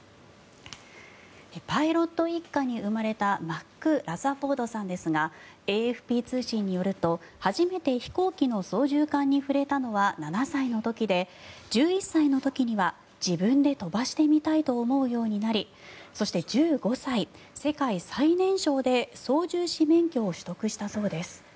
パイロット一家に生まれたマック・ラザフォードさんですがＡＦＰ通信によると初めて飛行機の操縦かんに触れたのは７歳の時で１１歳の時には自分で飛ばしてみたいと思うようになりそして、１５歳世界最年少で操縦士免許を取得したそうです。